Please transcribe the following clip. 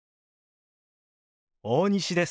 大西です。